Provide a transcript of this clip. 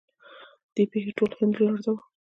دې پیښې ټول هند لړزاوه.